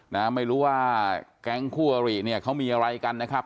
น่าไม่รู้ว่ากแก๊งเข้าวำรีเนี้ยเขามีอะไรกันนะครับ